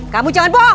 kamu jangan bohong